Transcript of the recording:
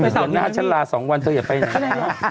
แหวนเดือนหน้าฉันลาสองวันเธออย่าไปเลย